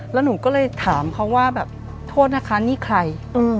แล้วหนูก็เลยถามเขาว่าแบบโทษนะคะนี่ใคร